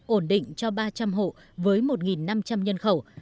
ổn định cho ba trăm linh hộ với một năm trăm linh nhân khẩu